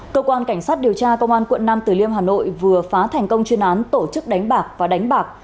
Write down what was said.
cơ quan cảnh sát điều tra công an quận nam từ liêm hà nội vừa phá thành công chuyên án tổ chức đánh bạc và đánh bạc